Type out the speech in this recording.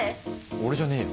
俺じゃねえよ。